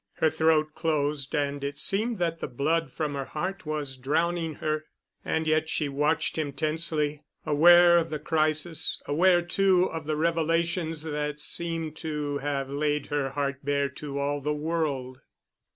Her throat closed and it seemed that the blood from her heart was drowning her. And yet she watched him tensely, aware of the crisis, aware too of the revelations that seemed to have laid her heart bare to all the world.